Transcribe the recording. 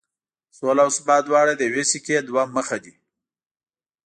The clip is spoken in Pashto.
سوله او ثبات دواړه د یوې سکې دوه مخ دي.